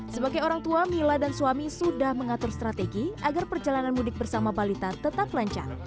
sebagai orang tua mila dan suami sudah mengatur strategi agar perjalanan mudik bersama balita tetap lancar